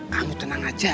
kamu tenang aja